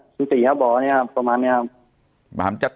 ชื่อสี่บอกว่าเป็นอย่างนี้ครับ